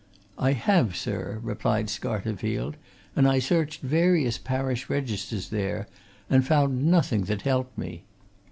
"I have, sir," replied Scarterfield. "And I searched various parish registers there, and found nothing that helped me.